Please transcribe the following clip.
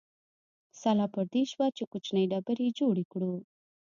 سلا پر دې شوه چې کوچنۍ ډبرې جوړې کړو.